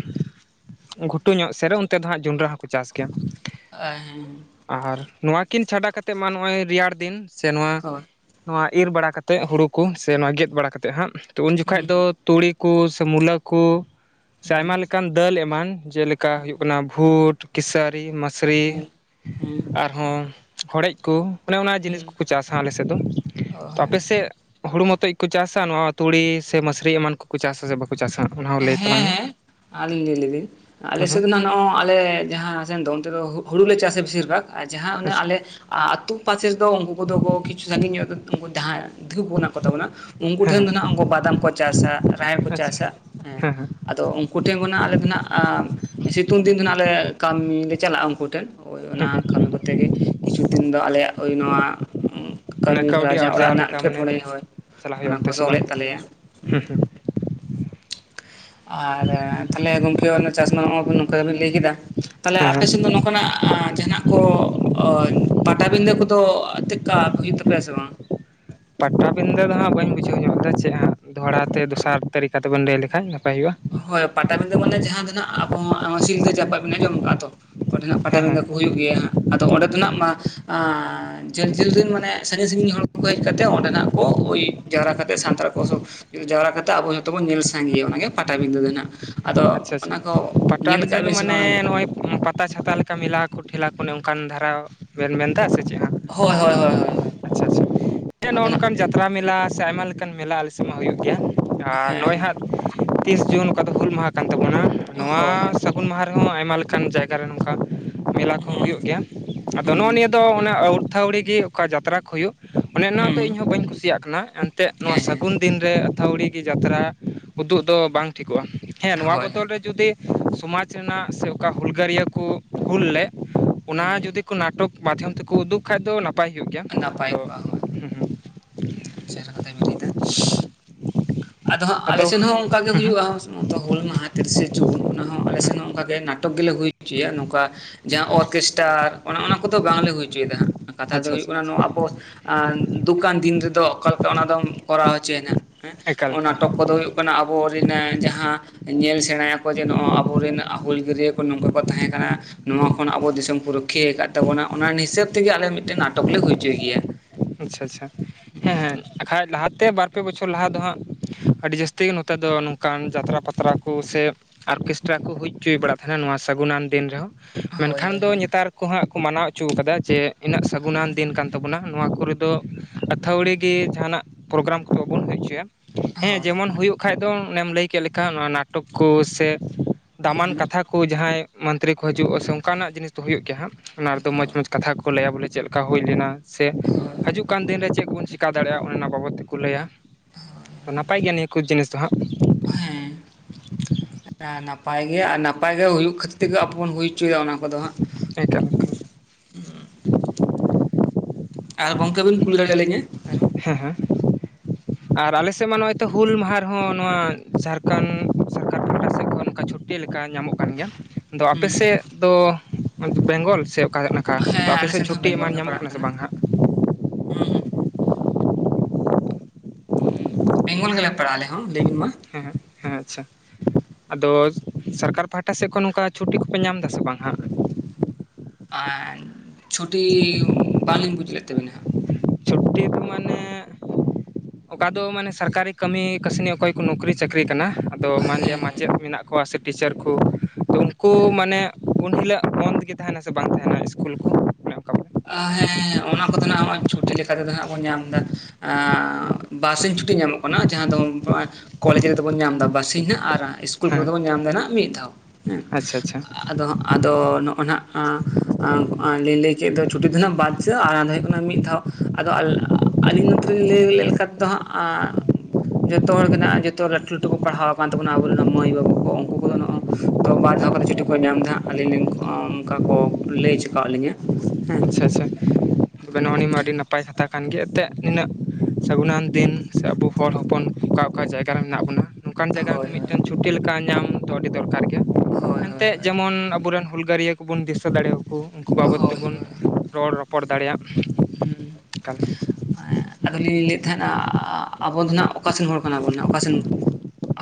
ᱜᱷᱩᱴᱩ ᱧᱚᱜ ᱥᱮᱨᱮ ᱚᱱᱛᱮ ᱫᱚ ᱦᱟᱸᱜ ᱡᱚᱸᱰᱨᱟ ᱦᱚᱸᱠᱚ ᱪᱟᱥ ᱜᱮᱭᱟ [unintelligible] ᱦᱮᱸ ᱦᱮᱸ ᱟᱨ ᱱᱚᱣᱟ ᱠᱤᱱ ᱪᱷᱟᱰᱟ ᱠᱟᱛᱮᱜ ᱢᱟ ᱱᱚᱜᱼᱚᱭ ᱨᱮᱭᱟᱲ ᱫᱤᱱ ᱥᱮ ᱱᱚᱣᱟ ᱦᱳᱭ ᱱᱚᱣᱟ ᱤᱨ ᱵᱟᱲᱟ ᱠᱟᱛᱮᱫ ᱦᱩᱲᱩ ᱠᱚ ᱥᱮ ᱱᱚᱣᱟ ᱜᱮᱫ ᱵᱟᱲᱟ ᱠᱟᱛᱮᱫ ᱦᱟᱸᱜ ᱛᱚ ᱩᱱ ᱡᱚᱠᱷᱟᱡ ᱦᱩᱸ ᱫᱚ ᱛᱩᱲᱤ ᱠᱩ ᱥᱮ ᱢᱩᱞᱟᱹ ᱠᱩ ᱥᱮ ᱦᱩᱸ ᱟᱭᱢᱟ ᱞᱮᱟᱱ ᱫᱟᱹᱞ ᱮᱢᱟᱱ ᱡᱮᱞᱮᱠᱟ ᱦᱩᱭᱩᱜ ᱠᱟᱱᱟ ᱵᱷᱩᱴ ᱠᱮᱥᱟᱹᱨᱤ ᱢᱟᱥᱨᱤ ᱦᱩᱸ ᱦᱩᱸ ᱟᱨ ᱦᱚᱸ ᱦᱚᱲᱮᱡ ᱠᱚ ᱚᱱᱮ ᱚᱱᱟ ᱦᱩᱸ ᱡᱤᱱᱤᱥ ᱦᱩᱸ ᱠᱚᱠᱚ ᱪᱟᱥ ᱟ ᱟᱞᱮᱥᱮᱫ ᱫᱚ ᱚ ᱛᱚ ᱦᱮᱸ ᱟᱯᱮᱥᱮᱫ ᱦᱩᱲᱩ ᱢᱚᱛᱚ ᱜᱮ ᱠᱚ ᱪᱟᱥ ᱟ ᱱᱚᱣᱟ ᱛᱩᱲᱤ ᱥᱮ ᱢᱟᱥᱨᱤ ᱮᱢᱟᱱ ᱠᱚᱠᱚ ᱪᱟᱥ ᱟ ᱥᱮ ᱵᱟ ᱪᱟᱥ-ᱟ ᱚᱱᱟ ᱦᱚᱸ ᱞᱟᱹᱭ ᱦᱮᱸ ᱛᱟᱞᱟᱝ ᱢᱮ ᱦᱮᱸ ᱟᱨ ᱞᱟᱹᱭ ᱞᱟᱹᱧ ᱟᱞᱮ ᱦᱮᱸ ᱥᱮᱫ ᱦᱮᱸ ᱫᱚ ᱱᱚᱜᱼ ᱟᱞᱮ ᱡᱟᱦᱟᱸ ᱥᱮᱱ ᱫᱚ ᱚᱱᱛᱮᱫᱚ ᱦᱩᱲᱩ ᱞᱮ ᱪᱟᱥᱟ ᱵᱮᱥᱤᱨ ᱵᱷᱟᱜᱽ ᱟᱨ ᱡᱟᱦᱟᱸ ᱮ ᱟᱪᱪᱷᱟ ᱟᱞᱮ ᱟᱨ ᱟᱛᱳ ᱯᱟᱥᱮ ᱨᱮᱫᱚ ᱩᱱᱠᱩ ᱠᱚᱫᱚ ᱠᱤᱪᱷᱩ ᱥᱟᱺᱜᱤᱧ ᱧᱚᱜ ᱩᱱᱠᱩ ᱡᱟᱦᱟᱸᱭ ᱫᱤᱠᱩ ᱠᱚ ᱢᱮᱱᱟᱜ ᱠᱚᱛᱟ ᱵᱚᱱᱟ, ᱩᱱᱠᱩ ᱦᱮᱸ ᱴᱷᱮᱱ ᱦᱮᱸ ᱫᱚ ᱦᱟᱸᱜ ᱩᱱ ᱵᱟᱫᱟᱢ ᱠᱚ ᱪᱟᱥᱟ ᱨᱟᱦᱮᱲ ᱠᱚ ᱟᱪᱪᱷᱟ ᱦᱮᱸ ᱪᱟᱥᱟ ᱦᱮᱸ᱾ ᱟᱫᱚ ᱩᱱᱠᱩ ᱴᱷᱮᱱ ᱠᱷᱚᱱᱟᱜ ᱟᱞᱮ ᱫᱚ ᱱᱟᱦᱟᱜ ᱥᱤᱛᱩᱝ ᱫᱤᱱ ᱫᱚ ᱟᱸᱱᱟᱜᱞᱮ ᱠᱟᱹᱢᱤ ᱞᱮ ᱪᱟᱞᱟᱜᱼᱟ ᱩᱱᱠᱩ ᱴᱷᱮᱱ᱾ ᱦᱳᱭ ᱦᱮᱸ ᱚᱱᱟ ᱦᱮᱸ ᱠᱟᱹᱢᱤ ᱠᱚᱛᱮ ᱜᱮ ᱠᱤᱪᱷᱩ ᱫᱤᱱ ᱫᱚ ᱟᱞᱮᱭᱟᱜ ᱳᱭ ᱱᱚᱣᱟ ᱚᱱᱮ ᱠᱟᱹᱢᱤ ᱦᱚᱨᱟ ᱠᱟᱹᱣᱰᱤ ᱡᱟᱦᱟᱸ ᱚᱲᱟᱜ ᱟᱨᱡᱟᱣ ᱨᱮᱱᱟᱜ ᱞᱮᱠᱟ ᱢᱟᱱᱮ ᱮᱴᱠᱮᱴᱚᱬᱮ ᱦᱚᱲ ᱪᱟᱞᱟᱜ ᱚᱱᱟ ᱦᱩᱭᱩᱜᱼᱟ ᱠᱚ ᱚᱱᱛᱮ ᱥᱮ ᱥᱚᱦᱮᱞᱮ ᱵᱟᱝ ᱛᱟᱞᱮᱭᱟ ᱦᱮᱸ᱾ ᱦᱮᱸ ᱦᱮᱸ ᱟᱨ ᱛᱟᱦᱚᱞᱮ ᱜᱚᱝᱠᱮ ᱪᱟᱥ ᱢᱟ ᱦᱚᱸ ᱱᱚᱝᱠᱟ ᱜᱮ ᱫᱚᱵᱤᱱ ᱞᱟᱹᱭ ᱠᱮᱫᱟ, ᱛᱟᱦᱚᱞᱮ ᱦᱮᱸ ᱟᱯᱮ ᱦᱮᱸ ᱥᱮᱫ ᱫᱚ ᱱᱚᱝᱠᱟᱱᱟᱜ ᱡᱟᱦᱟᱱᱟᱜ ᱠᱚ, ᱚ ᱯᱟᱴᱟᱵᱤᱫᱟᱹ ᱠᱚᱫᱚ ᱪᱮᱫᱠᱟ ᱦᱩᱭᱩᱜ ᱛᱟᱯᱮᱭᱟ ᱥᱮ ᱵᱟᱝ? ᱯᱟᱴᱟᱵᱤᱸᱫᱟᱹ ᱫᱚ ᱦᱟᱸᱜ ᱵᱟᱹᱧ ᱵᱩᱡᱷᱟᱹᱣ ᱧᱚᱜ ᱮᱫᱟ ᱪᱮᱫ ᱦᱟᱸ ᱫᱚᱦᱲᱟ ᱛᱮ ᱫᱚᱥᱟᱨ ᱛᱟᱹᱨᱤᱠᱟ ᱛᱮᱵᱚᱱ ᱞᱟᱹᱭ ᱞᱮᱠᱷᱟᱡ ᱱᱟᱯᱟᱭ ᱦᱩᱭᱩᱜᱼᱟ᱾ ᱦᱳᱭ ᱯᱟᱴᱟᱵᱸᱫᱟᱹ ᱢᱟᱱᱮ ᱡᱟᱦᱟᱸ ᱫᱚ ᱜᱮ ᱟᱚᱚᱸ ᱥᱤᱞᱫᱟᱹ ᱡᱟᱯᱵᱤᱱ ᱟᱡᱚᱢ ᱟᱠᱟᱫᱼᱟ ᱛᱚ? ᱚᱸᱰᱮ ᱱᱟᱜ ᱦᱮᱸ ᱦᱮᱸ ᱯᱟᱴᱟᱵᱸᱫᱟᱹ ᱠᱚ ᱦᱩᱭᱩᱜ ᱜᱮᱭᱟ ᱦᱟᱸᱜ, ᱟᱫᱚ ᱚᱸᱰᱮ ᱫᱚ ᱱᱟᱜ ᱢᱟ ᱟᱸ ᱡᱷᱟᱹᱞ ᱡᱷᱟᱞ ᱨᱮᱱ ᱢᱟᱱᱮ ᱥᱟᱺᱜᱤᱧ ᱥᱟᱺᱜᱤᱧ ᱦᱚᱲ ᱦᱮᱡ ᱠᱟ ᱠᱟᱛᱮᱜ ᱚᱸᱰᱮ ᱱᱟᱜ ᱠᱚ ᱳᱭ ᱡᱟᱣᱨᱟ ᱠᱟᱛᱮ ᱥᱟᱱᱛᱟᱲ ᱠᱚ ᱡᱟᱣᱨᱟ ᱠᱟᱛᱮᱜ ᱟᱵᱚ ᱡᱷᱚᱛᱚ ᱵᱚᱱ ᱧᱮᱞ ᱥᱟᱸᱜᱮᱭᱟ ᱚᱱᱟᱜᱮ ᱯᱟᱴᱟᱵᱤᱸᱫᱟᱹ ᱫᱚ ᱦᱟᱸᱜ᱾ ᱟᱪᱪᱷᱟ ᱟᱪᱪᱷᱟ ᱯᱟᱴᱟᱵᱤᱫᱟᱹ ᱫᱚ ᱢᱟᱱᱮ ᱵᱟᱝ ᱚᱱᱟ ᱜᱮ ᱱᱚᱜᱼᱚᱭ ᱠᱩᱞᱤ ᱯᱟᱛᱟᱼ ᱪᱷᱟᱛᱟ ᱞᱮᱠᱟ ᱢᱮᱞᱟ ᱴᱷᱮᱞᱟ ᱠᱚ ᱚᱱᱠᱟᱱ ᱫᱷᱟᱨᱟ ᱵᱮᱱ ᱢᱮᱱ ᱮᱫᱟ ᱥᱮ ᱪᱮᱫ ᱦᱟᱸ? ᱦᱳᱭ ᱦᱳᱭ ᱦᱳᱭ ᱦᱳᱭ ᱦᱮᱸ ᱱᱚᱜᱼᱚ ᱟᱫᱚ ᱱᱟᱦᱟᱜ ᱱᱚᱝᱠᱟᱱ ᱡᱟᱛᱨᱟ ᱢᱮᱞᱟ ᱥᱮ ᱟᱭᱢᱟ ᱞᱮᱠᱟᱱ ᱢᱮᱞᱟ ᱟᱞᱮᱥᱮᱫ ᱢᱟ ᱦᱩᱭᱩᱜ ᱜᱮᱭᱟ ᱟᱨ ᱦᱮᱸ ᱱᱚᱜᱼᱚᱭ ᱦᱟᱸᱜ ᱛᱤᱥ ᱡᱩᱱ ᱚᱠᱟ ᱫᱚ ᱦᱩᱞ ᱢᱟᱦᱟ ᱠᱟᱱ ᱛᱟᱵᱚᱱᱟ ᱦᱳᱭ ᱱᱚᱣᱟ ᱦᱳᱭ ᱥᱟᱹᱜᱩᱱ ᱢᱟᱦᱟ ᱨᱮᱦᱚᱸ ᱟᱭᱢᱟ ᱞᱮᱠᱟᱱ ᱡᱟᱭᱜᱟ ᱨᱮ ᱱᱚᱝᱠᱟ ᱢᱮᱞᱟ ᱠᱚᱦᱚᱸ ᱦᱩᱸ ᱦᱩᱭᱩᱜ ᱜᱮᱭᱟ, ᱟᱫᱚ ᱱᱚᱜᱼᱚ ᱦᱩᱸ ᱱᱤᱭᱟᱹ ᱫᱚ ᱚᱱᱟ ᱟᱹᱣᱛᱷᱟᱹᱣᱲᱤ ᱜᱮ ᱚᱠᱟ ᱡᱟᱛᱨᱟ ᱠᱚ ᱦᱩᱭᱩᱜ ᱢᱟᱱᱮ ᱱᱚᱣᱟ ᱫᱚ ᱦᱩᱸ ᱤᱧᱦᱚ ᱵᱟᱹᱧ ᱠᱩᱥᱤᱭᱟᱜ ᱠᱟᱱᱟ ᱮᱱᱛᱮᱜ ᱱᱚᱣᱟ ᱦᱮᱸ ᱦᱮᱸ ᱥᱟᱹᱜᱩᱱ ᱫᱤᱱ ᱨᱮ ᱟᱹᱛᱷᱣᱲᱤ ᱜᱮ ᱡᱟᱛᱨᱟ ᱩᱫᱩᱜ ᱫᱚ ᱵᱟᱝ ᱴᱷᱤᱠᱚᱜᱼᱟ᱾ ᱦᱮᱸ ᱱᱚᱣᱟ ᱦᱳᱭ ᱵᱚᱫᱚᱞ ᱦᱳᱭ ᱨᱮ ᱡᱩᱫᱤ ᱥᱚᱢᱟᱡ ᱨᱮᱱᱟᱜ ᱥᱮ ᱚᱠᱟ ᱦᱩᱞᱜᱟᱹᱨ ᱠᱚ ᱦᱩᱞ ᱞᱮᱫ, ᱚᱱᱟ ᱡᱩᱫᱤ ᱦᱩᱸ ᱠᱚ ᱱᱟᱴᱚᱠ ᱢᱟᱫᱽᱫᱷᱚᱢ ᱛᱮᱠᱚ ᱩᱫᱩᱜ ᱠᱷᱟᱱ ᱫᱚ ᱱᱟ ᱯᱟᱭ ᱦᱩᱭᱩᱜ ᱜᱮᱭᱟ, ᱱᱟᱯᱟᱭ ᱛᱚ ᱠᱚᱜᱼᱟ ᱦᱳᱭ ᱦᱳᱭ ᱦᱩᱸ ᱦᱩᱸ ᱪᱮᱦᱨᱟ ᱠᱟᱛᱷᱟ ᱵᱤᱱ ᱞᱟᱹᱭᱫᱟ ᱟᱫᱚ ᱦᱟᱸᱜ ᱟᱞᱮᱥ ᱦᱚᱸ ᱚᱱᱠᱟᱜ ᱜᱮ ᱦᱩᱸ ᱦᱩᱸ ᱦᱩᱭᱩᱜᱼᱟ᱾ ᱦᱩᱞ ᱢᱟᱦᱟ ᱛᱤᱨᱤᱥᱮ ᱡᱩᱱ ᱚᱱᱟ ᱦᱚ ᱟᱞᱮ ᱥᱮᱱ ᱦᱚᱸ ᱚᱱᱠᱟ ᱜᱮ ᱱᱟᱴᱚᱠ ᱜᱮᱞᱮ ᱦᱩᱭ ᱦᱚᱪᱚᱭᱟ ᱱᱚᱝᱠᱟ, ᱡᱟᱦᱟᱸ ᱚᱨᱠᱮᱥᱴᱟᱨ ᱚᱱᱮ ᱚᱱᱟ ᱠᱚᱫᱚ ᱵᱟᱝᱞᱮ ᱦᱩᱭ ᱦᱚᱪᱚᱭᱮᱫᱟ ᱦᱟᱸᱜ, ᱠᱟᱛᱷᱟ ᱫᱚ ᱟᱪᱪᱷᱟ ᱦᱩᱭᱩᱜ ᱟᱪᱪᱷᱟ ᱠᱟᱱᱟ ᱟᱵᱚ ᱫᱩᱠ ᱟᱱ ᱫᱤᱱ ᱨᱮᱫᱚ ᱚᱠᱟᱞᱮᱠᱟ ᱚᱱᱟ ᱫᱚᱢ ᱠᱚᱨᱟᱣ ᱦᱚᱪᱚᱭᱮᱱᱟ᱾ ᱦᱮᱸ ᱮᱠᱟᱞ ᱮᱠᱟᱞ ᱱᱟᱴᱚᱠ ᱠᱚ ᱫᱚ ᱦᱩᱭᱩᱜ ᱠᱟᱱᱟ ᱟᱵᱚ ᱨᱮᱱᱟᱜ ᱡᱟᱦᱟᱸ ᱧᱮᱞ ᱥᱮᱬᱟᱭᱟᱠᱚ ᱡᱮ ᱱᱚᱜ ᱟᱵᱚᱨᱮᱱ ᱦᱩᱞᱜᱟᱹᱨᱭᱟᱹ ᱠᱚ ᱱᱚᱝᱠᱟ ᱠᱚ ᱛᱟᱦᱮᱸ ᱠᱟᱱᱟ, ᱱᱚᱣᱟ ᱠᱷᱚᱱ ᱟᱵᱚ ᱫᱤᱥᱚᱢ ᱠᱚ ᱨᱩᱠᱷᱤᱭᱟᱹ ᱟᱠᱟᱫ ᱛᱟᱵᱚᱱᱟ ᱚᱱᱟ ᱦᱤᱥᱟᱹᱵ ᱛᱮᱜᱮ ᱟᱞᱮ ᱢᱤᱫᱴᱮᱱ ᱱᱟᱴᱚᱠ ᱞᱮ ᱦᱩᱭ ᱦᱚᱪᱚᱭ ᱜᱮᱭᱟ᱾ ᱟᱪᱪᱷᱟ ᱟᱪᱪᱷᱟ ᱦᱮᱸ ᱦᱮᱸᱟᱠᱷᱟᱡ ᱞᱟᱦᱟᱛᱮ ᱵᱟᱨ ᱯᱮ ᱵᱚᱪᱷᱚᱨ ᱞᱟᱦᱟ ᱫᱚ ᱦᱟᱸᱜ ᱟᱹᱰᱤ ᱡᱟᱹᱥᱛᱤ ᱜᱮ ᱱᱚᱛᱮ ᱫᱚ ᱱᱩᱝ ᱠᱟᱱ ᱡᱟᱛᱨᱟ ᱯᱟᱛᱨᱟ ᱠᱚ ᱥᱮ ᱚᱨᱠᱮᱥᱴᱨᱟ ᱠᱚ ᱦᱩᱭ ᱚᱪᱚᱭ ᱵᱟᱲ ᱛᱟᱦᱮᱱᱟ ᱱᱚᱣᱟ ᱥᱟᱹᱜᱩᱱᱱ ᱫᱤᱱ ᱨᱮᱦᱚᱸ᱾ ᱦᱳᱭ ᱢᱮᱱᱠᱷᱟᱱ ᱦᱳᱭ ᱫᱚ ᱦᱳᱭ ᱱᱮᱛᱟᱨ ᱠᱚ ᱦᱟᱸᱜ ᱠᱚ ᱢᱟᱱᱟᱣ ᱦᱚᱪᱚᱣᱟ ᱠᱟᱫᱟ ᱡᱮ ᱩᱱᱟᱹᱜ ᱥᱟᱹᱜᱩᱱ ᱦᱳᱭ ᱫᱤᱱ ᱠᱟᱱ ᱛᱟᱵᱚᱱᱟ ᱱᱚᱣᱟ ᱠᱚᱨᱮ ᱫᱚ ᱟᱹᱛᱷᱟᱹᱣᱲᱤ ᱜᱮ ᱡᱟᱦᱟᱱᱟᱜ ᱯᱨᱳᱜᱨᱟᱢ ᱠᱚ ᱵᱟᱵᱚᱱ ᱦᱩᱭ ᱦᱚᱪᱚᱭᱟ ᱦᱮᱸ ᱦᱳᱭ ᱡᱮᱢᱚᱱ ᱦᱩᱭᱩᱜ ᱠᱷᱟᱡ ᱫᱚ ᱮᱢ ᱞᱟᱹᱭ ᱠᱮᱫ ᱞᱮᱠᱟ ᱱᱟᱴᱚᱠ ᱠᱚ ᱥᱮ ᱫᱟᱢᱟᱱ ᱠᱟᱛᱷᱟ ᱡᱟᱦᱟᱸᱭ ᱢᱚᱱᱛᱨᱤ ᱠᱚ ᱦᱤᱡᱩᱜᱼᱟ ᱥᱮ ᱠᱩ ᱚᱱᱠᱟᱱᱟᱜ ᱡᱤᱱᱤᱥ ᱫᱚ ᱦᱩᱭᱩᱜ ᱜᱮᱭᱟ ᱦᱟᱸᱜ ᱚᱱᱟ ᱨᱮᱫᱚ ᱢᱚᱸᱡᱽ ᱦᱳᱭ ᱢᱚᱸᱡᱽ ᱠᱟᱛᱷᱟ ᱠᱚ ᱞᱟᱹᱭᱟ ᱵᱚᱞᱮ ᱪᱮᱫ ᱞᱮ ᱠᱟ ᱦᱩᱭ ᱞᱮᱱᱟ ᱥᱮ ᱦᱳᱭ ᱦᱤᱡᱩᱜ ᱠᱟᱱ ᱫᱤᱱ ᱨᱮ ᱪᱮᱫᱵᱚᱱ ᱪᱤᱠᱟᱹ ᱫᱟᱲᱮᱭᱟᱜᱼᱟ ᱚᱱᱟ ᱚᱱᱟ ᱵᱟᱵᱚᱫ ᱛᱮᱠᱚ ᱞᱟᱹᱭᱟ, ᱛᱚ ᱱᱟᱯᱟᱭ ᱜᱮᱭᱟ ᱱᱤᱭᱟᱹ ᱠᱚ ᱡᱤᱱᱤᱥ ᱫᱚ ᱦᱟᱸᱜ᱾ ᱦᱮᱸ ᱱᱟᱯᱟᱭ ᱜᱮ ᱟᱨ ᱱᱟᱯᱟᱭ ᱜᱮ ᱦᱩᱭᱩᱜ ᱠᱷᱟᱹᱛᱤᱨ ᱛᱮ ᱟᱵᱚᱵᱚᱱ ᱦᱩᱭ ᱚᱪᱚᱭᱮ ᱚᱱᱟ ᱠᱚᱫᱚ ᱦᱟᱸᱜ᱾ ᱮᱠᱟᱞ ᱮᱠᱟᱞ ᱟᱨ ᱜᱚᱝᱠᱮ ᱵᱮᱱ ᱠᱩᱞᱤ ᱫᱟᱲᱮ ᱟᱹᱞᱤᱧᱟᱹ, ᱦᱮᱸ ᱦᱮᱸ ᱟᱨ ᱟᱞᱮ ᱥᱮᱫ ᱢᱟ ᱱᱚᱜᱼᱚᱸᱚᱭ ᱛᱚ ᱦᱩᱞ ᱢᱟᱦᱟ ᱨᱮᱦᱚᱸ ᱱᱚᱣᱟ ᱡᱷᱟᱲᱠᱷᱚᱸᱰ ᱡᱷᱟᱨᱠᱷᱚᱸᱱᱰ ᱥᱮᱫ ᱠᱷᱚᱱ ᱚᱱᱠᱟ ᱪᱷᱩᱴᱤ ᱞᱮᱠᱟ ᱧᱟᱢᱚᱜ ᱠᱟᱱᱟ᱾ ᱠᱟᱱ ᱜᱮᱭᱟ ᱟᱫᱚ ᱟᱯᱮ ᱦᱩᱸ ᱥᱮᱫ ᱫᱚ ᱵᱮᱝᱜᱚᱞ ᱥᱮ ᱚᱠᱟ ᱦ ᱠᱟᱱᱟ ᱠᱟ ᱟᱫᱚ ᱟᱯᱮ ᱥᱮᱫ ᱪᱷᱩᱴᱤ ᱮᱢᱟᱱ ᱧᱟᱢᱚᱜ ᱠᱟᱱᱟ ᱥᱮ ᱵᱟᱝ ᱦᱟᱜ ᱦᱮᱸ ᱦᱮᱸ ᱵᱮᱝᱜᱚᱞ ᱜᱮᱞᱟ ᱯᱟᱲᱟᱜ-ᱟ ᱟᱞᱮ ᱦᱚᱸ ᱞᱮᱵᱤᱱ ᱢᱟ ᱦᱮᱸ ᱦᱮᱸ ᱦᱮᱸ ᱟᱪᱪᱷᱟ ᱟᱫᱚ ᱥᱚᱨᱠᱟᱨ ᱯᱟᱦᱴᱟ ᱥᱮᱫ ᱠᱷᱚᱱ ᱱᱚᱝᱠᱟ ᱪᱷᱩᱴᱤ ᱠᱚᱯᱮ ᱧᱟᱢ ᱫᱟᱥᱮ ᱵᱟᱝ ᱦᱟᱸᱜ ᱟᱨ ᱪᱷᱩᱴᱤ ᱵᱟᱝᱞᱤᱧ ᱵᱩᱡᱽ ᱞᱮᱫ ᱛᱟᱵᱤᱱᱟ ᱪᱷᱩᱴᱤ ᱫᱚ ᱢᱟᱱᱮ [unintelligible] ᱚᱠᱟ ᱫᱚ ᱢᱟᱱᱮ ᱥᱚᱨᱠᱟᱨᱤ ᱠᱟᱹᱢᱤ ᱠᱟᱹᱥᱱᱤ ᱚᱠᱚᱭ ᱠᱚ ᱱᱚᱠᱨᱤᱼ ᱪᱟᱹᱠᱨᱤ ᱠᱟᱱᱟ ᱟᱫᱚ ᱢᱟᱱᱞᱤᱭᱟ ᱢᱟᱪᱮᱫ ᱢᱮᱱᱟᱜ ᱠᱚᱣᱟ ᱥᱮ ᱴᱤᱪᱟᱨ ᱠᱚ ᱛᱚ ᱩᱱᱠᱩ ᱢᱟᱱᱮ ᱩᱱ ᱦᱤᱞᱳᱜ ᱵᱚᱱᱫ ᱜᱮ ᱛᱟᱦᱮᱱᱟ ᱥᱮ ᱵᱟᱝ ᱛᱟᱦᱮᱱᱟ ᱥᱠᱩᱞ ᱠᱚ ᱚᱱᱮ ᱚᱱᱠᱟ ᱵᱚᱞᱮ ᱦᱮᱸᱮ ᱚᱱᱟ ᱠᱚᱫᱚ ᱱᱟᱜ ᱱᱚᱜᱼᱚᱭ ᱪᱷᱩᱴᱤ ᱞᱮᱠᱟᱛᱮᱫᱚ ᱦᱟᱸᱜ ᱵᱚᱱ ᱧᱟᱢ ᱮᱫᱟ ᱵᱟᱨᱥᱤᱧ ᱪᱷᱩᱴᱤ ᱧᱟᱢᱚᱜ ᱠᱟᱱᱟ ᱡᱟᱦᱟᱸ ᱫᱚ ᱠᱚᱞᱮᱡᱽ ᱨᱮᱫᱚ ᱵᱚᱱ ᱧᱟᱢ ᱮᱫᱟ ᱵᱟᱨᱥᱤᱧ ᱦᱟᱸᱜ ᱟᱨ ᱥᱠᱩ ᱤᱥᱠᱩᱞ ᱠᱚᱨᱮ ᱫᱚ ᱦᱮᱸ ᱵᱚᱱ ᱧᱟᱢ ᱫᱟ ᱱᱟᱜ ᱢᱤᱫ ᱫᱷᱟᱣ ᱦᱮᱸ ᱟᱪᱪᱷᱟ ᱟᱪᱪᱷᱟ ᱟᱫᱚ ᱟᱫᱚ ᱱᱚᱜᱼᱚ ᱱᱟᱜ ᱞᱮ ᱞᱮᱭ ᱪᱮᱫ ᱫᱚ ᱪᱷᱩᱴᱤ ᱫᱚ ᱱᱟᱜ ᱵᱟᱨ ᱫᱷᱟᱣ ᱟᱨ ᱚᱱᱟ ᱫᱚ ᱦᱩᱭᱩᱜ ᱠᱟᱱᱟ ᱢᱤᱫ ᱫᱷᱟᱣ ᱟᱫᱚ ᱟᱹᱞᱤᱧ ᱱᱚᱛ ᱞᱤᱧ ᱞᱟᱹᱭ ᱞᱮᱠᱟ ᱫᱚ ᱦᱟᱸᱜ ᱡᱚᱛᱚ ᱦᱚᱲ ᱜᱮ ᱡᱚᱛᱚ ᱞᱟᱹᱴᱩ ᱞᱟᱹᱴᱩ ᱠᱚ ᱯᱟᱲᱦᱟᱣ ᱟᱠᱟᱱ ᱛᱟᱵᱚᱱᱟ ᱟᱵᱚᱨᱮᱱ ᱢᱟᱹᱭ ᱵᱟᱹᱵᱩ ᱠᱚ ᱩᱱᱠᱩ ᱠᱚᱫᱚ ᱱᱚᱜᱼᱚᱭ ᱛᱚ ᱵᱟᱨ ᱫᱷᱟᱣ ᱠᱟᱛᱮᱫ ᱪᱷᱩᱴᱤ ᱠᱚ ᱧᱟᱢ ᱫᱟ ᱦᱟᱜ ᱟᱹᱞᱤᱧ ᱞᱤᱧ ᱚᱱᱠᱟ ᱠᱚ ᱞᱟᱹᱭ ᱪᱮᱠᱟᱣᱫ ᱞᱤᱧᱟᱹ ᱦᱮᱸ ᱟᱪᱪᱷᱟ ᱟᱪᱪᱷᱟ ᱛᱚᱵᱮ ᱱᱚᱜ ᱱᱤᱭᱟᱹ ᱢᱟ ᱟᱹᱰᱤ ᱱᱟᱯ ᱱᱟᱯᱟᱭ ᱠᱟᱛᱷᱟ ᱠᱟᱱ ᱜᱮᱭᱟ ᱛᱮᱫ ᱤᱱᱟᱹᱜ ᱥᱟᱹᱜᱩᱱᱟᱱ ᱫᱤᱱ ᱥᱮ ᱟᱵᱚ ᱦᱚᱲ ᱦᱚᱯᱚᱱ ᱚᱠᱟ ᱚᱠᱟ ᱡᱟᱭᱜᱟ ᱨᱮ ᱢᱮᱱᱟᱜ ᱵᱚᱱᱟ ᱱᱚᱝᱠᱟᱱ ᱡᱟᱭᱜᱟ ᱨᱮᱫᱚ ᱦᱳᱭ ᱦᱳᱭ ᱢᱤᱫᱴᱮᱱ ᱪᱷᱩᱴᱤ ᱞᱮᱠᱟ ᱧᱟᱢ ᱫᱚ ᱟᱹᱰᱤ ᱫᱚᱨᱠᱟᱨ ᱜᱮ ᱦᱳᱭ ᱦᱳᱭ ᱮᱱᱛᱮᱫ ᱡᱮᱢᱚᱱ ᱟᱵᱚᱨᱮᱱ ᱦᱩᱞᱜᱟᱹᱨᱤᱭᱟᱹ ᱠᱚᱵᱚᱱ ᱫᱤᱥᱟᱹ ᱫᱟᱲᱮᱭᱟᱠᱚᱣᱟ ᱩᱱᱠᱩ ᱵᱟᱵᱚᱫ ᱦᱳᱭ ᱛᱮᱵᱚᱱ ᱨᱚᱲ ᱨᱚᱯᱚᱲ ᱫᱟᱲᱮᱭᱟᱜ ᱮᱠᱟᱞ ᱦᱮᱸ ᱟᱫᱚᱞᱤᱧ ᱞᱟᱹᱭᱮᱫ ᱛᱟᱦᱮᱱᱟ ᱟᱵᱚ ᱫᱚ ᱦᱟᱸᱜ ᱚᱠᱟᱥᱮᱱ ᱦᱚᱲ ᱠᱟᱱᱟ ᱵᱚᱱ ᱦᱟᱸᱜ ᱚᱠᱟ ᱥᱮᱱ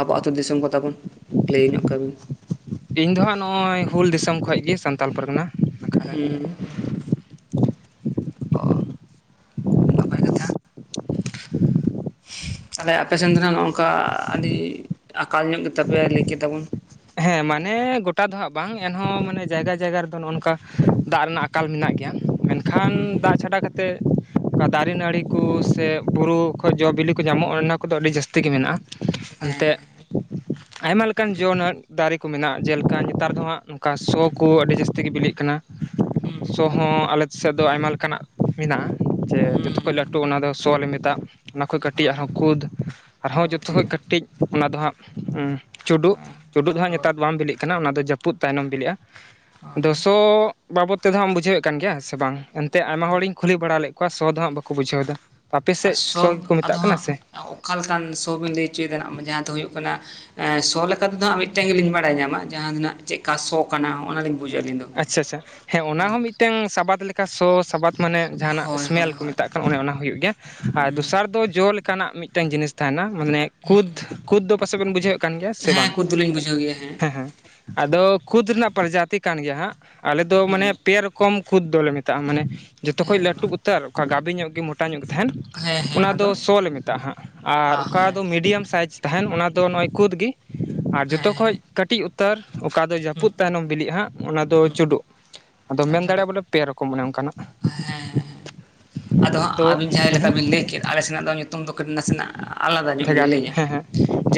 ᱟᱵᱚ ᱟᱹᱛᱩ ᱫᱤᱥᱚᱢ ᱠᱚ ᱛᱟᱵᱚᱱ ᱞᱟᱹᱭ ᱧᱚᱜ ᱠᱮᱭᱟᱵᱤᱱ ᱤᱧ ᱫᱚ ᱦᱟᱸᱜ ᱱᱚᱜ-ᱚᱭ ᱦᱩᱞ ᱫᱤᱥᱚᱢ ᱠᱷᱚᱡ ᱜᱮ ᱥᱟᱱᱛᱟᱞ ᱯᱟᱨᱜᱟᱱᱟ ᱱᱟᱠᱷᱟ ᱨᱮᱱ ᱦᱮᱸ ᱚ ᱱᱟᱯᱟᱭ ᱠᱟᱛᱷᱟ ᱛᱟᱦᱞᱮ ᱟᱯᱮᱥᱮᱱ ᱫᱚ ᱱᱟᱜ ᱱᱚ ᱱᱚᱝᱠᱟ ᱟᱹᱰᱤ ᱟᱠᱟᱞ ᱧᱚᱜ ᱜᱮᱛᱟᱯᱮᱭᱟ ᱞᱟᱹᱭ ᱠᱮᱫᱟᱵᱚᱱ ᱦᱮᱸ ᱢᱟᱱᱮ ᱜᱚᱴᱟ ᱫᱚ ᱦᱟᱸᱜ ᱵᱟᱝ ᱮᱱᱦᱚᱸ ᱢᱟᱱᱮ ᱡᱟᱭᱜᱟ ᱡᱟᱭᱜᱟ ᱨᱮᱫᱚ ᱱᱚᱜᱼᱚ ᱱᱚᱝᱠᱟ ᱫᱟᱜ ᱨᱮᱱᱟᱜ ᱟᱠᱟᱠᱟᱞ ᱢᱮᱱᱟᱜ ᱜᱮᱭᱟ ᱢᱮᱱᱠᱷᱟᱱ ᱫᱟᱜ ᱪᱷᱟᱰᱟ ᱠᱟᱛᱮᱫ ᱚᱱᱠᱟ ᱫᱟᱨᱮ ᱱᱟᱹᱲᱤ ᱠᱚ ᱥᱮ ᱵᱩᱨᱩ ᱠᱷᱚᱡ ᱡᱚᱼ ᱵᱤᱞᱤ ᱠᱚ ᱧᱟᱢᱚᱜᱼᱟ ᱚᱱᱟ ᱠᱚᱫᱚ ᱟᱹᱰᱤ ᱡᱟᱹᱥᱛᱤ ᱜᱮ ᱢᱮᱱᱟᱜᱼᱟ ᱦᱮᱸ ᱮᱱᱛᱮᱫ ᱟᱭᱢᱟ ᱞᱮᱠᱟᱱ ᱡᱚᱱᱟᱜ ᱫᱟᱨᱮ ᱠᱚ ᱢᱮᱱᱟᱜᱼᱟ ᱡᱮᱞᱮᱠᱟ ᱱᱮᱛᱟᱨ ᱫᱚ ᱦᱟᱸᱜ ᱱᱚᱝᱠᱟ ᱥᱚ ᱠᱚ ᱟᱹᱰᱤ ᱡᱟᱹᱥᱛᱤ ᱜᱮ ᱵᱤᱞᱤᱜ ᱠᱟᱱᱟ ᱦᱩᱸ ᱥᱚ ᱦᱚᱸ ᱟᱞᱮ ᱥᱮᱫ ᱫᱚ ᱟᱭᱢᱟ ᱞᱮᱠᱟᱱᱟᱜ ᱢᱮᱱᱟᱜᱼᱟ ᱡᱮ ᱡᱚᱛᱚ ᱦᱩᱸ ᱠᱷᱚᱡ ᱞᱟᱹᱴᱩ ᱚᱱᱟᱫᱚ ᱥᱚ ᱞᱮ ᱢᱮᱛᱟᱜ ᱚᱱᱟ ᱠᱷᱚᱡ ᱠᱟᱹᱴᱤᱡ ᱦᱳᱭ ᱟᱨᱦᱚᱸ ᱠᱩᱫᱽ ᱟᱨᱦᱚᱸ ᱡᱚᱛᱚ ᱦᱳᱭ ᱠᱷᱚᱡ ᱠᱟᱹᱴᱤᱡ ᱚᱱᱟ ᱫᱚ ᱦᱟᱸᱜ ᱪᱩᱰᱩᱜ ᱪᱩᱰᱩᱜ ᱫᱚ ᱦᱟᱸᱜ ᱦᱳᱭ ᱱᱮᱛᱟᱨ ᱵᱟᱢ ᱵᱤᱞᱤᱜ ᱠᱟᱱᱟ ᱚᱱᱟ ᱫᱚ ᱡᱟᱹᱯᱩᱫ ᱛᱟᱭᱱᱚᱢ ᱵᱤᱞᱤᱜᱼᱟ ᱟᱫᱚ ᱦᱳᱭ ᱥᱚ ᱵᱟᱵᱚᱛ ᱛᱮᱫᱚ ᱦᱟᱸᱜ ᱵᱩᱡᱷᱟᱹᱣᱮᱫ ᱠᱟᱱ ᱜᱮᱭᱟ ᱥᱮ ᱵᱟᱝ ᱮᱱᱛᱮ ᱟᱭᱢᱟ ᱦᱚᱲᱤᱧ ᱠᱩᱞᱤ ᱵᱟᱲᱟ ᱞᱮᱫ ᱠᱚᱣᱟ ᱥᱚᱚᱫ ᱫᱚ ᱦᱟᱸᱜ ᱵᱟᱠᱚ ᱵᱩᱡᱷᱟᱹᱣ ᱫᱟ ᱟᱯᱮ ᱟᱨ ᱥᱮᱫ ᱥᱚ ᱜᱮᱠᱚ ᱢᱮᱛᱟᱜ ᱟᱫᱚ ᱠᱟᱱᱟ ᱥᱮ ᱚᱠᱟ ᱞᱮᱠᱟᱱ ᱥᱚ ᱵᱤᱱ ᱞᱟᱹᱭ ᱚᱪᱚᱭᱮᱫᱟ ᱦᱟᱸᱜ ᱡᱟᱦᱟᱸ ᱫᱚ ᱦᱩᱭᱩᱜ ᱠᱟᱱᱟ ᱥᱚ ᱞᱮᱠᱟ ᱛᱮᱫᱚ ᱦᱟᱸᱜ ᱢᱤᱫᱴᱟᱝ ᱜᱮᱞᱤᱧ ᱵᱟᱲᱟᱭ ᱧᱟᱢᱟ ᱡᱟᱦᱟᱸ ᱫᱚ ᱱᱟᱸᱜ ᱪᱮᱫ ᱠᱟ ᱥᱚ ᱠᱟᱱᱟ ᱚᱱᱟᱞᱤᱧ ᱵᱩᱡᱟ ᱟᱹᱞᱤᱧ ᱫᱚ ᱟᱪᱪᱷᱟ ᱟᱪᱪᱷᱟ ᱦᱮᱸ ᱚᱱᱟ ᱦᱚᱸ ᱢᱤᱫᱴᱟᱝ ᱥᱟᱵᱟᱫ ᱞᱮᱠᱟ ᱥᱚ ᱥᱟᱵᱟᱫ ᱢᱟᱱᱮ ᱡᱟᱦᱟᱱᱟᱜ ᱦᱳᱭ ᱤᱥᱢᱮᱞ ᱦᱳᱭ ᱠᱚ ᱦᱳᱭ ᱢᱮᱛᱟᱜ ᱠᱟᱱᱟ ᱚᱱᱮ ᱚᱱᱟ ᱦᱩᱭᱩᱜ ᱜᱮᱭᱟ ᱟᱨ ᱦᱩᱸ ᱫᱚᱥᱟᱨ ᱫᱚ ᱡᱚ ᱞᱮᱠᱟ ᱚᱱᱠᱟᱱᱟᱜ ᱢᱤᱫᱴᱟᱝ ᱡᱤᱱᱤᱥ ᱛᱟᱦᱮᱱᱟ ᱢᱟᱱᱮ ᱠᱩᱫ ᱠᱩᱫ ᱫᱚ ᱯᱟᱥᱮᱫ ᱵᱮᱱ ᱵᱩᱡᱷᱟᱹᱣᱮᱫ ᱠᱟᱱ ᱜᱮᱭᱟ ᱥᱮ ᱦᱮᱸ ᱵᱟᱝ ᱠᱩᱫ ᱫᱚᱞᱤᱧ ᱵᱩᱡᱷᱟᱹᱣ ᱜᱮᱭᱟ ᱦᱮᱸ ᱦᱮᱸ ᱟᱫᱚ ᱠᱷᱩᱫᱽ ᱨᱮᱱᱟᱜ ᱯᱨᱚᱡᱟᱛᱤ ᱠᱟᱱ ᱜᱮᱭᱟ ᱦᱟᱸᱜ ᱟᱞᱮᱫ ᱫᱚ ᱢᱟᱱᱮ ᱦᱩᱸ ᱯᱮ ᱨᱚᱠᱚᱢ ᱠᱚᱢ ᱠᱷᱩᱫᱽ ᱫᱚᱞᱮ ᱢᱮᱛᱟᱜᱼᱟ ᱢᱟᱱᱮ ᱡᱚᱛᱚ ᱠᱷᱚᱡ ᱦᱮᱸ ᱢᱟ ᱞᱟᱹᱴᱩ ᱩᱛᱟᱹᱨ ᱚᱠᱟ ᱜᱟᱵᱤ ᱧᱚᱜ ᱜᱮ ᱢᱚᱴᱟ ᱧᱚᱜ ᱜᱮ ᱛᱟᱦᱮᱱ ᱚᱱᱟ ᱫᱚ ᱥᱚ ᱞᱮ ᱢᱮᱛᱟᱜᱼᱟ ᱦᱟᱸᱜ ᱟᱨ ᱟ ᱚᱠᱟ ᱦᱮᱸ ᱫᱚ ᱢᱤᱰᱤᱭᱟᱢ ᱥᱟᱭᱤᱡᱽ ᱛᱟᱦᱮᱱ ᱚᱱᱟ ᱫᱚ ᱱᱚᱜᱼᱚᱭ ᱠᱩᱫᱽ ᱜᱤ ᱟᱨ ᱦᱮᱸ ᱡᱚᱛᱚ ᱦᱮᱸ ᱠᱷᱚᱡ ᱠᱟᱹᱴᱤᱡ ᱩᱛᱟᱹᱨ ᱚᱠᱟ ᱫᱚ ᱦᱩᱸ ᱡᱟᱹᱯᱩᱫ ᱛᱟᱭᱱᱚᱢ ᱵᱤᱞᱤᱜᱼᱟ ᱦᱟᱸᱜ ᱚᱱᱟ ᱫᱚ ᱪᱩᱰᱩᱜ ᱟᱫᱚ ᱟᱨ ᱢᱮᱱ ᱡᱚᱰᱚ ᱫᱟᱲᱮᱭᱟᱜᱼᱟ ᱵᱚᱞᱮ ᱯᱮ ᱨᱚᱠᱚᱢ ᱚᱱᱮ ᱚᱱᱠᱟᱱᱟᱜ ᱦᱮᱸ ᱦᱮᱸ ᱦᱮᱸ ᱟᱫᱚ ᱦᱟᱸᱜ ᱫᱚ ᱟᱹᱵᱤᱱ ᱡᱟᱦᱟ ᱞᱮᱠᱟ ᱵᱤᱱ ᱞᱟᱹᱭ ᱠᱮᱫ ᱟᱞᱮ ᱥᱮᱱᱟᱜ ᱫᱚ ᱧᱩᱛᱩᱢ ᱫᱚ ᱠᱟᱹᱴᱤ ᱱᱟᱥᱮᱱᱟᱜ ᱟᱞᱟᱫᱟ ᱧᱚᱜ ᱜᱮᱞᱮ ᱵᱷᱮᱜᱟᱨ ᱞᱟᱹᱭᱟ ᱦᱮᱸ ᱦᱮᱸ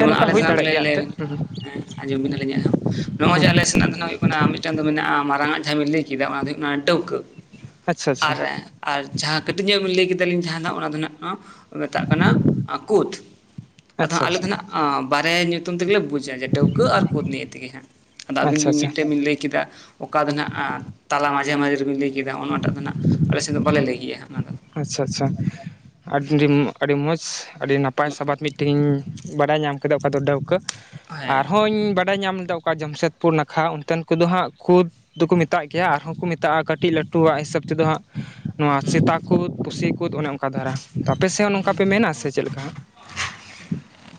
ᱦᱮᱸ ᱱᱚᱝᱠᱟ ᱟᱞᱮ ᱦᱩᱭ ᱥᱮᱱᱟᱜ ᱫᱟᱲᱮᱭᱟᱜ ᱫᱚᱞᱮ ᱜᱮᱭᱟ ᱮᱱᱛᱮᱫ ᱞᱮᱭ [unintelligible] ᱟᱸᱡᱚᱢ ᱵᱤᱱ ᱟᱞᱤᱧ ᱟᱜ ᱦᱚᱸ ᱱᱚᱜᱼᱚᱭ ᱦᱮᱸ ᱡᱮ ᱟᱞᱮ ᱥᱮᱱᱟᱜ ᱫᱚ ᱦᱩᱭᱩᱜ ᱠᱟᱱᱟ ᱢᱤᱫᱴᱟᱝ ᱫᱚ ᱢᱮᱱᱟᱜᱼᱟ ᱢᱟᱨᱟᱝ-ᱟᱜ ᱡᱟᱸᱦᱟ ᱵᱤᱱ ᱞᱟᱹᱭ ᱠᱮᱫᱟ ᱚᱱᱟ ᱫᱚ ᱦᱩᱭᱩᱜ ᱠᱟᱱᱟ ᱰᱟᱹᱣᱠᱟᱹ ᱟᱪᱪᱷᱟ ᱟᱪᱪᱷᱟ ᱟᱨ ᱮ ᱟᱨ ᱡᱟᱦᱟᱸ ᱠᱟᱹᱴᱤᱡ ᱧᱚᱜ ᱵᱮᱱ ᱞᱟᱹᱭ ᱠᱮᱫᱟᱞᱤᱧ ᱡᱟᱸᱦᱟᱱᱟᱜ ᱚᱱᱟ ᱫᱚ ᱱᱟᱜ ᱦᱟᱸ ᱠᱚ ᱢᱮᱛᱟᱜ ᱠᱟᱱᱟ ᱠᱩᱛ ᱟᱫᱚ ᱟᱪᱪᱷᱟ ᱦᱟᱸᱜ ᱟᱞᱮ ᱟᱪᱪᱷᱟ ᱫᱚ ᱱᱟᱦᱜ ᱟᱸ ᱵᱟᱨᱭᱟ ᱧᱩᱛᱩᱢ ᱛᱮᱜᱮ ᱵᱩᱡᱷ ᱰᱟᱹᱣᱠᱟᱹ ᱟᱨ ᱠᱩᱫ ᱱᱤᱭᱮ ᱛᱮᱜᱮ ᱦᱟᱸᱜ ᱟᱫᱚ ᱟᱹᱵᱤ ᱟᱪᱪᱷᱟ ᱟᱪᱪᱷᱟ ᱢᱤᱫᱴᱮᱡ ᱵᱤᱱ ᱞᱟᱹᱭ ᱠᱮᱫᱟ ᱚᱠᱟ ᱫᱚ ᱱᱟᱦᱟᱸᱜ ᱛᱟᱞᱟ ᱢᱟᱡᱷᱮ ᱢᱟᱡᱷᱮ ᱨᱮᱵᱤᱱ ᱞᱟᱹᱭ ᱠᱮᱫᱟ ᱚᱱᱟᱴᱟᱜ ᱫᱚ ᱱᱟᱦᱟᱸᱜ ᱟᱞᱮᱥᱮᱱ ᱫᱚ ᱵᱟᱞᱮ ᱞᱟᱹᱭ ᱜᱮᱭᱟ ᱦᱟᱸᱜ ᱚᱱᱟ ᱫᱚ ᱟᱪᱪᱷᱟ ᱟᱪᱪᱷᱟ [inaudible] ᱟᱹᱰᱤ ᱢᱚᱸᱡᱽ ᱟᱹᱰᱤ ᱱᱟᱯᱟᱭ ᱥᱟᱵᱟᱫ ᱵᱤᱱ ᱴᱤᱧ ᱵᱟᱰᱟᱭ ᱧᱟᱢ ᱠᱮᱫᱟ ᱚᱠᱟ ᱫᱚ ᱰᱟᱹᱣᱠᱟᱹ ᱦᱮᱸ ᱟᱨᱦᱚᱧ ᱵᱟᱰᱟᱭ ᱧᱟᱢ ᱫᱟ ᱚᱠᱟ ᱡᱟᱢᱥᱮᱫᱽᱯᱩᱨ ᱱᱟᱠᱷᱟ ᱚᱱᱛᱮ ᱫᱚ ᱦᱟᱸᱜ ᱠᱷᱩᱫᱽ ᱫᱩᱠᱩ ᱢᱮᱛᱟᱜ ᱜᱮᱭᱟ ᱟᱨᱦᱚᱸ ᱠᱩ ᱢᱮᱛᱟᱜᱼᱟ ᱠᱟᱹᱴᱤᱡ ᱞᱟᱹᱴᱩᱣᱟᱜ ᱦᱤᱥᱟᱹᱵ ᱛᱮ ᱫᱚ ᱦᱟᱸᱜ ᱱᱚᱣᱟ ᱦᱮᱸ ᱥᱮᱛᱟ ᱠᱩᱫ ᱯᱩᱥᱤ ᱠᱩᱫ ᱚᱱᱮ ᱚᱱᱠᱟ ᱫᱷᱟᱨᱟ ᱟᱯᱮᱥᱮ ᱦᱚᱸ ᱱᱚᱝᱠᱟ ᱯᱮ ᱢᱮᱱᱟ ᱥᱮ ᱪᱮᱫ ᱞᱮᱠᱟ?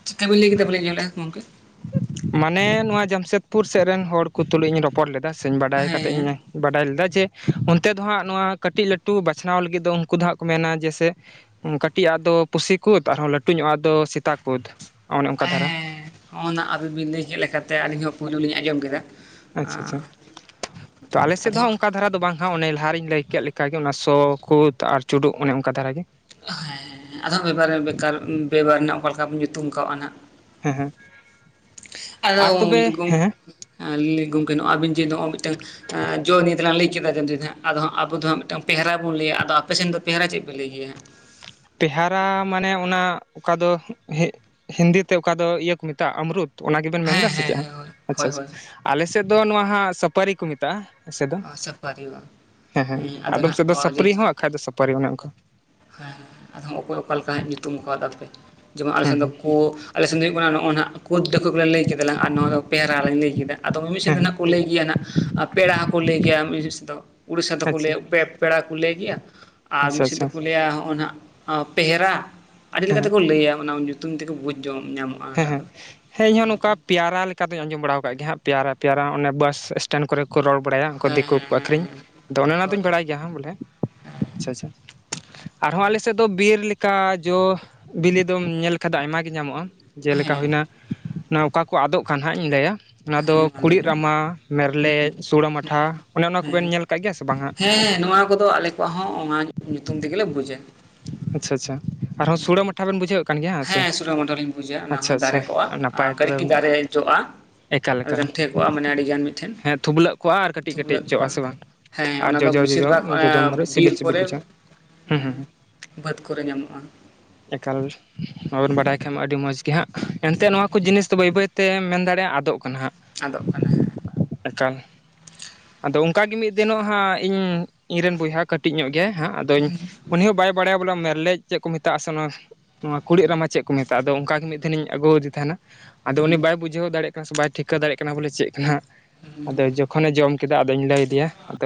ᱪᱤᱜᱠᱟ ᱵᱤᱱ ᱞᱟᱹᱭ ᱠᱮᱫᱟ ᱵᱟᱞᱤᱧ ᱟᱡᱚᱢ ᱞᱮᱜᱟ ᱜᱚᱝᱠᱮ ᱢᱟᱱᱮ ᱱᱚᱣᱟ ᱡᱟᱢᱥᱮᱫᱽᱯᱩᱨ ᱥᱮᱫ ᱨᱮᱱ ᱦᱚᱲ ᱠᱚ ᱛᱩᱞᱩᱡ ᱤᱧ ᱨᱚᱯᱚᱲ ᱞᱮᱫᱟ ᱥᱮ ᱵᱟᱰᱟᱭ ᱠᱟᱛᱮ ᱦᱮᱸ ᱤᱧ ᱵᱟᱰᱟᱭ ᱞᱮᱫᱟ ᱡᱮ ᱚᱱᱛᱮ ᱫᱚ ᱦᱟᱸᱜ ᱱᱚᱣᱟ ᱠᱟᱹᱴᱤᱡ ᱞᱟᱹᱴᱩ ᱵᱟᱪᱷᱟᱣ ᱞᱟᱹᱜᱤᱫ ᱫᱚ ᱩᱱᱠᱩ ᱫᱚ ᱦᱟᱸᱜ ᱠᱚ ᱢᱮᱱᱟ ᱡᱮ ᱥᱮ ᱠᱟᱹᱴᱤᱡ ᱟᱜ ᱫᱚ ᱯᱩᱥᱤ ᱠᱩᱫᱽ ᱟᱨᱦᱚᱸ ᱞᱟᱹᱴᱩ ᱧᱚᱜ ᱟᱜ ᱫᱚ ᱥᱮᱛᱟ ᱠᱩᱫᱽ ᱠᱩᱫ ᱚᱱᱮ ᱚᱱᱠᱟ ᱦᱮᱸ ᱫᱷᱟᱨᱟ ᱦᱮᱸ ᱦᱮᱸ ᱚᱱᱟ ᱟᱵᱤᱵᱤᱱ ᱞᱟᱹᱭ ᱠᱮᱫ ᱞᱮᱠᱟᱛᱮ ᱟᱹᱞᱤᱧ ᱦᱚᱸ ᱯᱳᱭᱞᱳ ᱞᱤᱧ ᱟᱸᱡᱚᱢ ᱠᱮᱫᱟ ᱟᱪᱪᱷᱟ ᱟᱪᱪᱷᱟ ᱛᱚ ᱟᱞᱮ ᱥᱮᱫ ᱟᱫᱚ ᱫᱚᱦᱟᱸᱜ ᱚᱠᱟ ᱫᱷᱟᱨᱟ ᱫᱚ ᱵᱟᱝ ᱦᱟᱸᱜ ᱚᱱᱮ ᱞᱟᱦᱟᱨᱮᱧ ᱞᱟᱹᱭ ᱠᱮᱫ ᱞᱮᱠᱟ ᱜᱮ ᱚᱱᱟ ᱥᱚ ᱠᱩᱫ ᱟᱨ ᱪᱩᱰᱩᱜ ᱚᱱᱮ ᱚᱱᱠᱟ ᱫᱷᱟᱨᱟᱜ ᱜᱮ ᱦᱮᱸ ᱦᱮᱸ ᱟᱫᱚ ᱵᱮᱵᱷᱟᱨᱮ ᱵᱮᱠᱟᱨ ᱵᱮᱵᱟᱨ ᱨᱮᱱᱟᱜ ᱚᱠᱟ ᱞᱮᱠᱟ ᱵᱚᱱ ᱧᱩᱛᱩᱢ ᱠᱟᱣᱫᱟ ᱱᱟᱜ ᱦᱮᱸ ᱦᱮᱸ ᱟᱫᱚ ᱟᱨ ᱛᱚᱵᱮ ᱦᱮᱸ [unintelligible] ᱟᱹᱵᱤᱱ ᱡᱮ ᱱᱚᱜᱼᱚᱭ ᱢᱤᱫᱴᱟᱝ ᱡᱚ ᱱᱤᱭᱟᱹ ᱛᱮᱞᱟᱝ ᱞᱟᱹᱭ ᱠᱮᱫᱟ [unintelligible] ᱟᱫᱚ ᱦᱟᱸᱜ ᱟᱵᱚ ᱫᱚ ᱦᱟᱸᱜ ᱢᱤᱫᱴᱟᱝ ᱯᱮᱭᱟᱨᱟ ᱵᱚᱱ ᱞᱟᱹᱭᱟ ᱟᱫᱚ ᱟᱯᱮ ᱥᱮᱱ ᱫᱚ ᱯᱮᱭᱟᱨᱟ ᱪᱮᱫ ᱯᱮ ᱞᱟᱹᱭ ᱜᱮᱭᱟ? ᱛᱮᱦᱟᱨᱟ ᱢᱟᱱᱮ ᱚᱱᱟ ᱚᱠᱟ ᱫᱚ ᱦᱤᱜ ᱦᱤᱱᱫᱤ ᱛᱮ ᱚᱠᱟ ᱫᱚ ᱤᱭᱟᱹ ᱠᱚ ᱢᱮᱛᱟᱜᱼᱟ ᱟᱢᱨᱩᱯ ᱚᱱᱟ ᱜᱮᱵᱮᱱ ᱢᱮᱱ ᱦᱮᱸ ᱫᱟ ᱥᱮ ᱦᱮᱸ ᱪᱮᱫ ᱦᱮᱸ ᱦᱳᱭ ᱟᱪᱪᱷᱟ ᱦᱳᱭ ᱟᱪᱷᱟ ᱦᱳᱭ ᱟᱞᱮᱥᱮᱫ ᱫᱚ ᱱᱚᱣᱟ ᱦᱟᱸᱜ ᱥᱟᱹᱯᱟᱹᱨᱤ ᱠᱚ ᱢᱮᱛᱟᱜᱼᱟ ᱦᱮᱸ ᱥᱮ ᱫᱚ ᱥᱟᱯᱟᱨᱤ ᱵᱟᱝ ᱦᱮᱸ ᱦᱮᱸ ᱟᱫᱚ ᱟᱫᱚᱢ ᱥᱮᱜ ᱫᱚ ᱥᱟᱹᱯᱨᱤ ᱱᱟᱦᱟᱜ ᱦᱚᱸ ᱟᱠᱷᱟᱡ ᱫᱚ ᱥᱟᱯᱟᱨᱤ ᱚᱱᱮ ᱚᱝᱠᱟ᱾ ᱦᱮᱸ ᱦᱮᱸ ᱟᱫᱚ ᱚᱠᱚᱭ ᱚᱠᱟ ᱞᱮᱠᱟ ᱡᱟᱸᱜᱟ ᱧᱩᱛᱩᱢ ᱠᱟᱹᱣ ᱫᱟ ᱯᱮ ᱡᱮᱢᱚᱱ ᱟᱞᱮ ᱦᱮᱸ ᱥᱮᱱ ᱫᱚ ᱦᱮᱸ ᱯᱳ ᱟᱞᱮ ᱥᱮᱱ ᱫᱚ ᱦᱩᱭᱳᱜ ᱠᱟᱱᱟ ᱱᱚᱜᱼᱚᱭ ᱱᱟᱦ ᱠᱩᱫ ᱰᱟᱹᱠᱣᱟᱹ ᱵᱮᱞᱮ ᱞᱟᱹᱭ ᱠᱮᱫᱟᱞᱟᱝ ᱟᱨ ᱱᱚᱣᱟ ᱫᱚ ᱯᱮᱭᱟᱨᱟ ᱞᱟᱝ ᱞᱟᱹᱭ ᱠᱮᱫᱟ ᱟᱫᱚ ᱢᱤᱢᱤ ᱥᱮᱜ ᱦᱮᱸ ᱫᱚ ᱦᱮᱸ ᱱᱟᱜ ᱠᱚ ᱞᱟᱹᱭ ᱜᱮᱭᱟ ᱱᱟᱜ ᱟ ᱯᱮᱲᱟ ᱦᱚᱸᱠᱚ ᱞᱟᱹᱭ ᱜᱮᱭᱟ [unintelligible] ᱩᱲᱤᱥᱥᱟ ᱫᱚᱠᱚ ᱟᱪᱪᱷᱟ ᱟᱪᱪᱷᱟ ᱞᱟᱹᱭᱼᱟ ᱯᱮ ᱯᱮᱲᱟ ᱠᱩ ᱞᱟᱹᱭ ᱜᱮᱭᱟ ᱟᱨ ᱢᱤᱜ ᱥᱮ ᱫᱚ ᱟᱪᱪᱷᱟ ᱞᱟᱹᱭᱟ ᱦᱚᱜᱼᱚᱭ ᱱᱟᱦ ᱯᱮᱦᱮᱨᱟ ᱟᱹᱰᱤ ᱦᱮᱸ ᱞᱮᱠᱟᱛᱮᱠᱚ ᱞᱟᱹᱭᱟ ᱚᱱᱟ ᱧᱩᱛᱩᱢ ᱛᱮᱠᱚ ᱵᱩᱡᱽ ᱧᱟᱢᱚᱜᱼᱟ ᱦᱮᱸ ᱚᱱᱟᱴᱟᱜ ᱦᱮᱸ ᱫᱚ ᱦᱮᱸ ᱤᱧ ᱦᱚᱸ ᱱᱚᱝᱠᱟ ᱯᱮᱭᱟᱨᱟ ᱞᱮᱠᱟ ᱫᱚᱧ ᱟᱸᱡᱚᱢ ᱵᱟᱲᱟᱣ ᱠᱟᱜ ᱜᱮ ᱦᱟᱸᱜ ᱯᱮᱭᱨᱟ ᱯᱮᱭᱨᱟ ᱚᱱᱮ ᱵᱟᱥ ᱮᱥᱴᱮᱱ ᱠᱚᱨᱮ ᱠᱚ ᱨᱚᱲ ᱵᱟᱲᱟᱭᱟ ᱩᱱᱠᱩ ᱦᱮᱸ ᱫᱤᱠᱩ ᱦᱮᱸ ᱠᱚ ᱟᱹᱠᱷᱨᱤᱧ ᱦᱮᱸ ᱟᱫᱚ ᱚᱱᱮ ᱦᱮᱸ ᱦᱳᱭ ᱚᱱᱟᱫᱚᱧ ᱵᱟᱲᱟᱭ ᱜᱮᱭᱟ ᱦᱟᱜ ᱵᱚᱞᱮ, ᱟᱪᱪᱷᱟ ᱟᱪᱪᱷᱟ ᱟᱨᱦᱚᱸ ᱟᱞᱮ ᱥᱮᱫ ᱫᱚ ᱵᱤᱨ ᱞᱮᱠᱟ ᱡᱚ ᱵᱤᱞᱤ ᱫᱚᱢ ᱧᱮᱞ ᱠᱟᱫᱟ ᱟᱭᱢᱟ ᱜᱤ ᱧᱟᱢᱚᱜᱼᱟ ᱡᱮᱞᱮᱠᱟ ᱦᱮᱸ ᱦᱩᱭᱱᱟ ᱚᱠᱟ ᱠᱚ ᱟᱫᱚᱜ ᱠᱟᱱ ᱦᱟᱸᱜ ᱤᱧ ᱞᱟᱹᱭᱟ ᱚᱱᱟ ᱦᱮᱸ ᱫᱚ ᱢᱟ ᱞᱟᱹᱭ ᱠᱩᱲᱤᱫ ᱵᱤᱱ ᱨᱟᱢᱟ ᱦᱮᱸ ᱢᱮᱨᱞᱮᱡ ᱥᱩᱲᱟᱹ ᱢᱟᱴᱷᱟ ᱚᱱᱮ ᱚᱱᱟ ᱦᱮᱸ ᱠᱚᱵᱮᱱ ᱧᱮᱞ ᱠᱟᱜ ᱜᱮᱭᱟ ᱥᱮ ᱵᱟᱝ ᱦᱟᱜ? ᱦᱮᱸ ᱱᱚᱣᱟ ᱠᱚᱫᱚ ᱟᱞᱮ ᱠᱚᱣᱟᱜ ᱦᱚᱸ ᱚᱱᱟ ᱧᱩᱛᱩᱢ ᱛᱮᱜᱮ ᱞᱮ ᱵᱩᱡᱟ ᱟᱪᱪᱷᱟ ᱟᱪᱪᱷᱟ ᱟᱨᱦᱚᱸ ᱥᱩᱲᱟᱹ ᱴᱛᱷᱟ ᱵᱮᱱ ᱵᱩᱡᱷᱟᱹᱣ ᱠᱟᱱ ᱜᱮᱭᱟ ᱦᱮᱸ ᱥᱮ, ᱥᱳᱞᱳᱢᱚᱱᱰᱚᱞ ᱤᱧ ᱵᱩᱡᱟ ᱚᱱᱟ ᱟᱪᱪᱷᱟ ᱦᱚᱸ ᱟᱪᱪᱷᱟ ᱫᱟᱨᱮ ᱠᱚᱜᱼᱟ ᱱᱟᱯᱟᱭ ᱠᱟᱹᱴᱤᱡ ᱛᱚᱵᱮ। ᱠᱟᱹᱴᱤᱡ ᱫᱟᱨᱮ ᱡᱚᱜᱼᱟ ᱮᱠᱟ ᱞᱮᱠᱟ ᱞᱮᱱᱴᱷᱮ ᱠᱚᱜᱼᱟ ᱢᱟᱱᱮ ᱟᱹᱰᱤᱜᱟᱱ ᱢᱤᱫᱴᱷᱮᱱ ᱦᱮᱸ ᱛᱷᱩᱵᱞᱟᱹᱜ ᱠᱚᱜᱼᱟ ᱟᱨ ᱠᱟᱹᱴᱤᱡ ᱠᱟᱹᱴᱤᱡ ᱛᱷᱩᱯᱞᱟᱹᱜ ᱡᱚᱜ-ᱟ ᱠᱚᱜᱼᱟ ᱥᱮ ᱵᱟᱝ ᱦᱮᱸ ᱟᱨ ᱚᱱᱟ ᱫᱚ ᱡᱚᱡᱚ ᱵᱮᱥᱤᱨ ᱡᱚᱡᱚ ᱵᱷᱟᱜᱽ ᱡᱚᱡᱚᱢ ᱢᱮ [unintelligible] ᱵᱤᱨ ᱥᱤᱵᱤᱞ ᱥᱤᱵᱤᱞ ᱠᱚᱨᱮ ᱵᱩᱡᱷᱟᱹᱜᱼᱟ ᱦᱩᱸ ᱦᱩᱸ ᱵᱟᱹᱫᱽ ᱠᱚᱨᱮ ᱧᱟᱢᱚᱜᱼᱟ। ᱮᱠᱟᱞ ᱵᱟᱵᱚᱱ ᱵᱟᱰᱟᱭ ᱠᱷᱟᱡ ᱢᱟ ᱟᱹᱰᱤ ᱢᱚᱡᱽ ᱜᱮ ᱦᱟᱸᱜ। ᱮᱱᱛᱮᱜ ᱱᱚᱣᱟ ᱠᱚ ᱡᱤᱱᱤᱥ ᱫᱚ ᱵᱟᱹᱭ ᱵᱟᱹᱭᱛᱮ ᱢᱮᱱ ᱫᱟᱲᱮᱭᱟᱜᱼᱟ ᱟᱫᱚᱜ ᱠᱟᱱᱟ ᱦᱟᱸᱜ। ᱟᱫᱚᱜ ᱠᱟᱱᱟ ᱦᱮᱸ। ᱮᱠᱟᱞ ᱟᱫᱚ ᱚᱱᱠᱟ ᱜᱮ ᱢᱤᱫ ᱫᱤᱱᱚᱜ ᱦᱟᱸᱜ ᱤᱧ ᱤᱧᱨᱮᱱ ᱵᱚᱭᱦᱟ ᱼᱼ ᱠᱟᱹᱴᱤᱡ ᱧᱚᱜ ᱜᱮᱭᱟ ᱦᱟᱸᱜ ᱟᱫᱚᱧ ᱩᱱᱤ ᱦᱚᱸ ᱵᱟᱭ ᱵᱟᱲᱟᱭᱟ ᱵᱚᱞᱮ ᱢᱮᱨᱞᱮᱡ ᱪᱮᱫ ᱠᱚ ᱢᱮᱛᱟᱜᱼᱟ ᱥᱮ ᱚᱱᱟ ᱼᱼ ᱱᱚᱣᱟ ᱠᱩᱲᱤᱫ ᱨᱟᱢᱟ ᱪᱮᱫ ᱠᱚ ᱢᱮᱛᱟᱜᱼᱟ ᱟᱫᱚ ᱚᱱᱠᱟ ᱜᱮ ᱢᱤᱫ ᱫᱤᱱᱤᱧ ᱟᱹᱜᱩᱣᱟᱫᱮ ᱛᱟᱦᱮᱱᱟ। ᱟᱫᱚ ᱦᱩᱸ ᱩᱱᱤ ᱵᱟᱭ ᱵᱩᱡᱷᱟᱹᱣ ᱫᱟᱲᱮᱭᱟᱜ ᱠᱟᱱᱟ ᱥᱮ ᱵᱟᱭ ᱴᱷᱤᱠᱟᱹ ᱫᱟᱲᱮᱭᱟᱜ ᱠᱟᱱᱟ ᱵᱚᱞᱮ ᱪᱮᱫ ᱠᱟᱱᱟ᱾ ᱦᱩᱸ ᱟᱫᱚ ᱡᱚᱠᱼᱼ ᱠᱷᱚᱱᱮ ᱡᱚᱢ ᱠᱮᱫᱟ ᱟᱫᱚᱧ ᱞᱟᱹᱭ ᱟᱫᱮᱭᱟ᱾ ᱟᱫᱚ